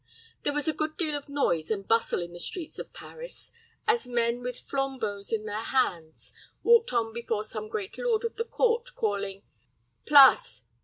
There was a good deal of noise and bustle in the streets of Paris, as men with flambeaux in their hands walked on before some great lord of the court, calling "Place!